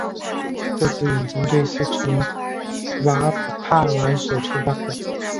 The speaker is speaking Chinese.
这支远征队是从瓦尔帕莱索出发的。